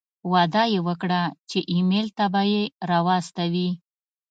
وعده یې وکړه چې ایمېل ته به یې را واستوي.